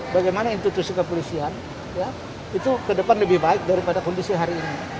bagaimana institusi kepolisian itu ke depan lebih baik daripada kondisi hari ini